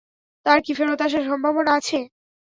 তার কি ফেরত আসার সম্ভাবনা আছে?